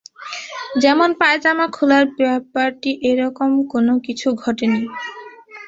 যেমন পায়জামা খোলার ব্যাপারটি-এ রকম কোনো কিছু ঘটে নি।